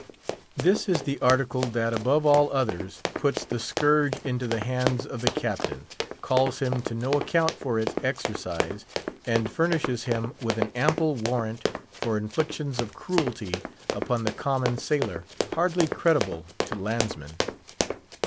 This is the article that, above all others, puts the scourge into the hands of the Captain, calls him to no account for its exercise, and furnishes him with an ample warrant for inflictions of cruelty upon the common sailor, hardly credible to landsmen.